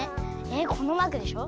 えっこのマークでしょ？